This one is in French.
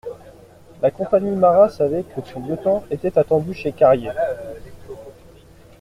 La compagnie Marat savait que son lieutenant était attendu chez Carrier.